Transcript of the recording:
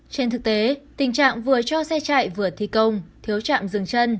trên thực tế tình trạng vừa cho xe chạy vừa thi công thiếu trạm dừng chân